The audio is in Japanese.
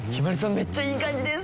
めっちゃいい感じです！